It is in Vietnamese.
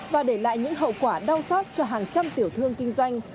và để lại những hậu quả đau xót cho hàng trăm tiểu thương kinh doanh